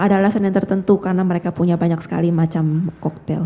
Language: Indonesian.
ada alasan yang tertentu karena mereka punya banyak sekali macam koktel